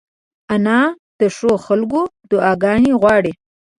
انا د ښو خلکو دعاګانې غواړي